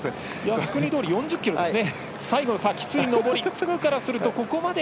靖国通り、４０ｋｍですね。